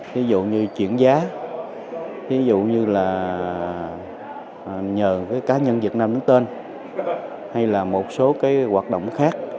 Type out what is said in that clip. ví dụ như chuyển giá ví dụ như là nhờ cá nhân việt nam đến tên hay là một số hoạt động khác